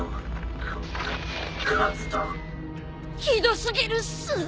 ひどすぎるっす。